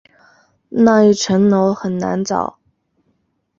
那一层楼很难找